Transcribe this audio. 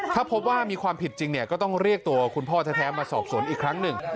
ถ้าพบว่ามีความผิดจริงเนี่ยก็ต้องเรียกตัวคุณพ่อแท้มาสอบสวนอีกครั้งหนึ่ง